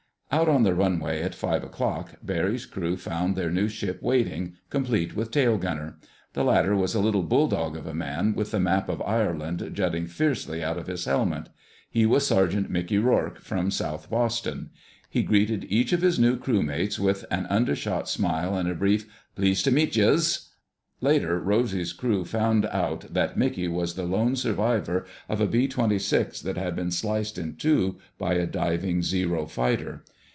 Out on the runway at five o'clock Barry's crew found their new ship waiting, complete with tail gunner. The latter was a little bulldog of a man with the map of Ireland jutting fiercely out of his helmet. He was Sergeant Mickey Rourke from South Boston. He greeted each of his new crew mates with an undershot smile and a brief "Pleased to meet yiz!" Later Rosy's crew found out that Mickey was the lone survivor of a B 26 that had been sliced in two by a diving Zero fighter.